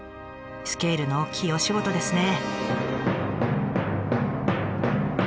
スケールの大きいお仕事ですね。